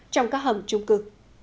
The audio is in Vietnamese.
trong các hầm trung cư